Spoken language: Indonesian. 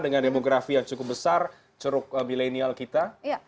dengan demografi yang cukup besar ceruk milenial kita